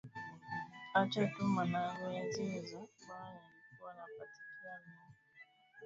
acha tu mwanangu enzi hizo bwananilikuwa napapatikiwa mie alisema mzee Makame